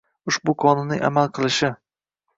Ushbu Qonunning amal qilishi: